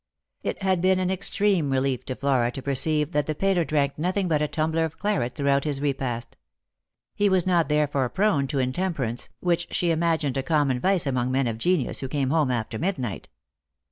It had been an extreme relief to Flora to perceive that the painter drank nothing but a tumbler of claret through out his repast. He was not therefore prone to intemperance, which she imagined a common vice among men of genius who came home after midnight.